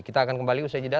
kita akan kembali usai jeda